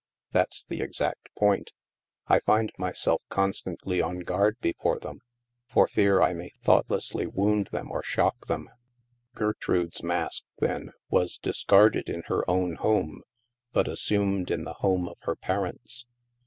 " That's the exact point. I find myself constantly on guard before them, for fear I may thoughtlessly wound them or shock them." ( Gertrude's mask, then, was discarded in her own home, but assumed in the home of her parents.)